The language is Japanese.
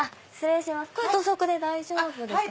土足で大丈夫ですか？